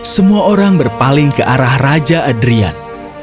semua orang berpaling ke arah raja adrian